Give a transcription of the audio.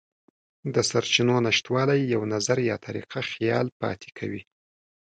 د سرچینو نشتوالی یو نظر یا طریقه خیال پاتې کوي.